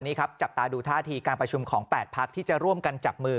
ครับจับตาดูท่าทีการประชุมของ๘พักที่จะร่วมกันจับมือ